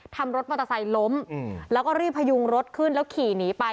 รถมอเตอร์ไซค์ล้มแล้วก็รีบพยุงรถขึ้นแล้วขี่หนีไป